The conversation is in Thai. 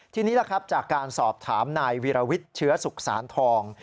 ทีนี้จากการสอบถามนายวิรวิตเชื้อสุขสารทอง